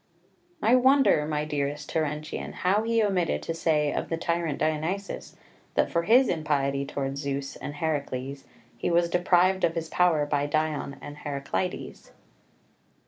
I wonder, my dearest Terentian, how he omitted to say of the tyrant Dionysius that for his impiety towards Zeus and Herakles he was deprived of his power by Dion and Herakleides.